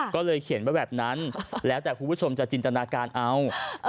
ก็เลยเขียนไว้แบบนั้นแล้วแต่คุณผู้ชมจะจินตนาการเอา